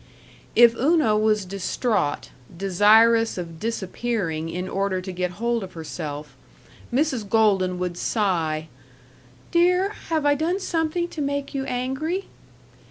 If Una was distraught, desirous of disappearing in order to get hold of herself, Mrs. Golden would sigh, "Dear, have I done something to make you angry?"